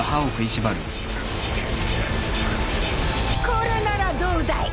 これならどうだい！